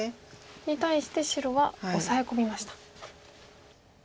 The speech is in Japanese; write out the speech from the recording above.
に対して白はオサエ込みました。